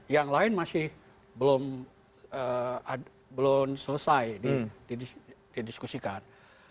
yang lain masih belum selesai didiskusikan